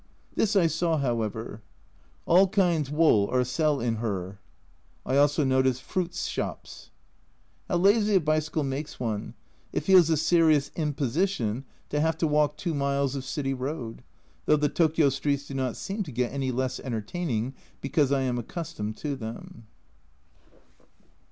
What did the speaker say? This I saw, however :" Au Kinds wool are sell in her." I also noticed " Fruit's Shops." How lazy a bicycle makes one, it feels a serious imposition to have to walk 2 miles of city road, though the Tokio streets do not seem to get any less enter taining because I am accustomed to them.